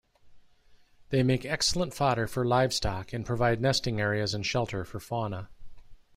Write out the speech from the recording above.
They make excellent fodder for livestock and provide nesting areas and shelter for fauna.